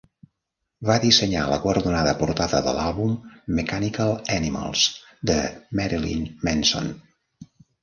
Va dissenyar la guardonada portada de l'àlbum "Mechanical Animals" de Marilyn Manson.